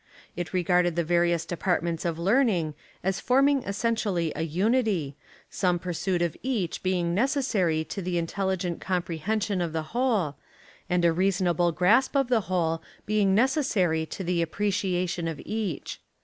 It regarded the various departments of learning as forming essentially a unity, some pursuit of each being necessary to the intelli gent comprehension of the whole, and a rea sonable grasp of the whole being necessary to the appreciation of each.